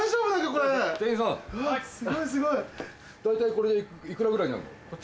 大体これで幾らぐらいになるの？